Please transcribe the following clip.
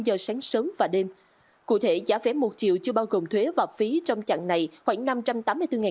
giờ sáng sớm và đêm cụ thể giá vé một triệu chưa bao gồm thuế và phí trong chặng này khoảng năm trăm tám mươi bốn